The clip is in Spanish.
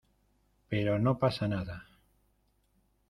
pero no pasa nada.